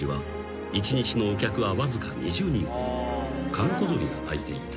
［閑古鳥が鳴いていた］